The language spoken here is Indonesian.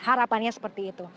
harapannya seperti itu